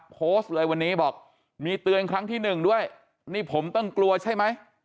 โพสต์เลยวันนี้บอกมีเตือนครั้งที่หนึ่งด้วยนี่ผมต้องกลัวใช่ไหม